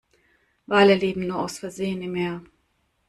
Wale leben nur aus Versehen im Meer.